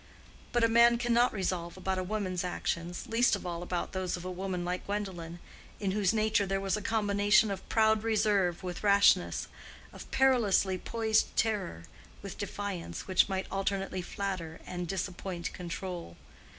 But a man cannot resolve about a woman's actions, least of all about those of a woman like Gwendolen, in whose nature there was a combination of proud reserve with rashness, of perilously poised terror with defiance, which might alternately flatter and disappoint control.